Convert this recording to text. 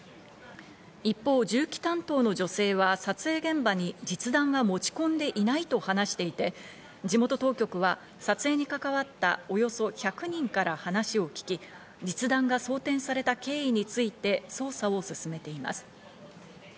一方、銃器担当の女性は撮影現場に実弾は持ち込んでいないと話していて、地元当局は撮影に関わったおよそ１００人から話を聞き、実弾が装填された経緯について捜査を進めています。